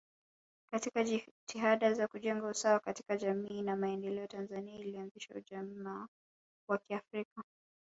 Katika jitihada ya kujenga usawa katika jamii na maendeleo Tanzania ilianzisha ujamaa wa kiafrika